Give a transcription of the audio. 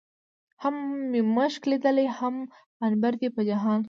هم مې مښک ليدلي، هم عنبر دي په جهان کې